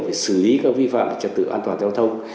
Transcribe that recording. về xử lý các vi phạm trật tự an toàn giao thông